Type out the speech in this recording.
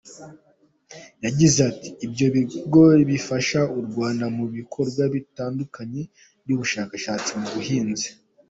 Yagize ati “ Ibyo bigo bifasha u Rwanda mu bikorwa bitandukanye by’ubushakashatsi mu buhinzi .